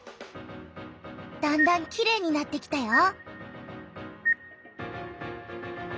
だんだんきれいになってきたよ！